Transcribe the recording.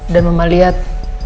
dan mama liat